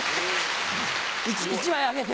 １枚あげて。